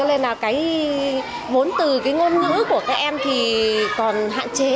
và cái vốn từ cái ngôn ngữ của các em thì còn hạn chế